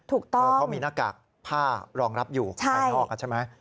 ถูกต้องเขามีหน้ากากผ้ารองรับอยู่ภายนอกใช่ไหม